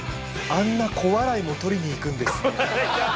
「あんな小笑いも取りにいくんですね」。